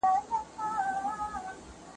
که څېړنه وسي نو اټکل نه حاکم کېږي.